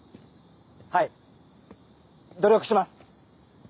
はい努力します。